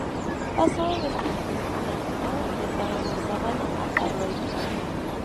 Pasó de vespertino a matutino, y de tamaño "sábana" a tabloide.